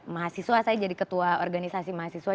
mahasiswa saya jadi ketua organisasi mahasiswa